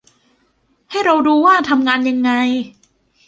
ให้เราดูว่าทำงานยังไง